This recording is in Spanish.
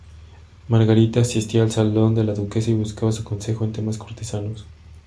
Margarita asistía al "salón" de la duquesa y buscaba su consejo en temas cortesanos.